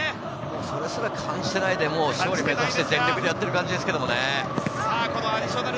それすら感じてないで、勝利を目指して、全力でやってる感じですけどね。